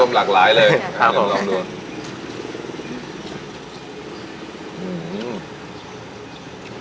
รวมหลากหลายเลยครับผม